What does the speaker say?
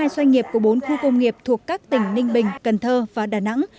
hai mươi doanh nghiệp của bốn khu công nghiệp thuộc các tỉnh ninh bình cần thơ và đà nẵng